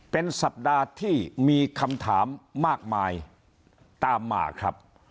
เป็นสัปดาห์ที่มีคำถามมากมายตามมาครับ